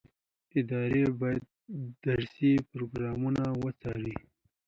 ادارې به درسي پروګرامونه وڅاري.